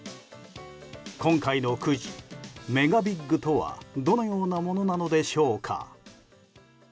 今回のくじＭＥＧＡＢＩＧとはどのようなものなのでしょうか。